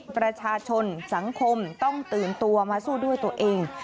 ประชาชนสังคมต้องตื่นตัวมาสู้ด้วยตัวเอง